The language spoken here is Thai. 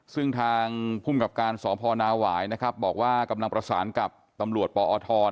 ซึ่งทางพุ่มกับการสพนาวายบอกว่ากำลังประสานกับตำรวจปอท